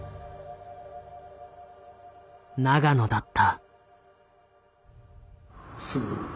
永野だった。